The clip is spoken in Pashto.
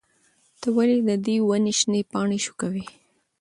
ته ولې د دې ونې شنې پاڼې شوکوې؟